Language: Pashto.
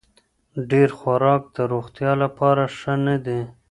ډېر خوراک د روغتیا لپاره ښه نه دی.